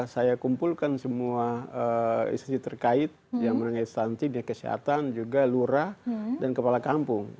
saya kumpulkan semua istri terkait yang mengenai stunting kesehatan juga lura dan kepala kampung